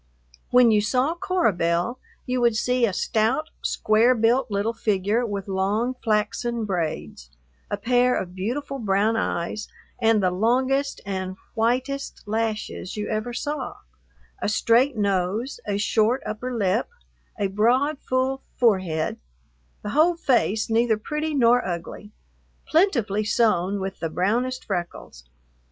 When you saw Cora Belle you would see a stout, square built little figure with long flaxen braids, a pair of beautiful brown eyes and the longest and whitest lashes you ever saw, a straight nose, a short upper lip, a broad, full forehead, the whole face, neither pretty nor ugly, plentifully sown with the brownest freckles.